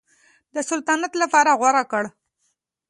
د سلطنت لپاره غوره کړ.